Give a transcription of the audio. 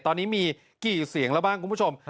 ตอนนี้มีกี่เสียงแล้วบ้างคุณผู้ชม